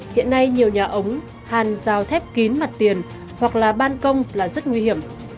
hiện nay nhiều nhà ống hàn rào thép kín mặt tiền hoặc là ban công là rất nguy hiểm